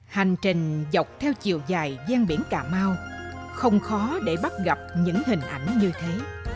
hành trình dọc theo chiều dài gian biển cà mau không khó để bắt gặp những hình ảnh như thế